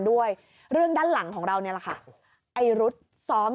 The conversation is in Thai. ด้วยเรื่องด้านหลังของเรานี่แหละค่ะไอ้รุดซ้อม